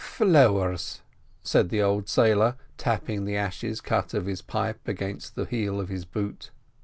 "Flowers!" said the old sailor, tapping the ashes out of his pipe against the heel of his boot.